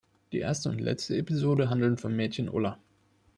Die erste und letzte Episode handeln vom Mädchen Ulla.